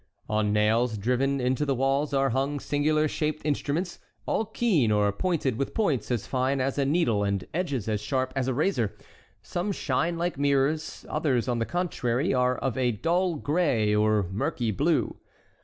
On nails driven into the walls are hung singular shaped instruments, all keen or pointed with points as fine as a needle and edges as sharp as a razor; some shine like mirrors; others, on the contrary, are of a dull gray or murky blue.